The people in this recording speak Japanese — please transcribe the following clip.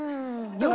だから。